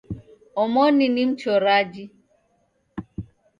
Omoni ni mchoraji